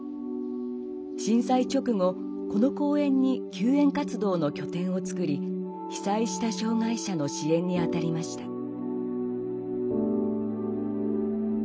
震災直後この公園に救援活動の拠点を作り被災した障害者の支援にあたりました。